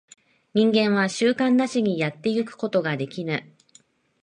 人間は習慣なしにやってゆくことができぬ。